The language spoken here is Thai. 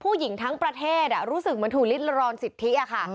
ผู้หญิงทั้งประเทศรู้สึกเหมือนถูกลิดรอนสิทธิอะค่ะ